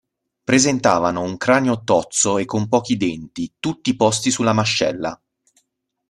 Presentavano un cranio tozzo e con pochi denti, tutti posti sulla mascella.